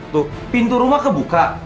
tuh pintu rumah kebuka